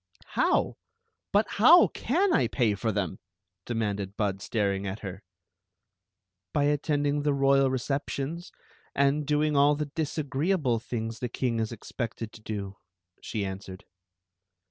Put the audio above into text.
•mow ? But how can I pay for them ?" demanded Bud, staring at her. " By attending the royal receptions, and doing all the disagreeable things the king is expected to do," she answered.